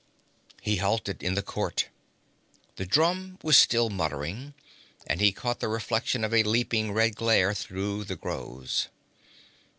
He halted in the court. The drum was still muttering, and he caught the reflection of a leaping red glare through the groves.